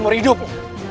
dan umur hidupmu